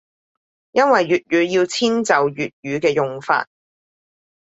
因為粵語要遷就粵語嘅用法